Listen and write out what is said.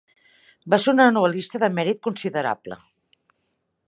Va ser una novel·lista de mèrit considerable.